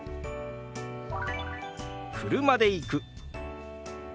「車で行く」。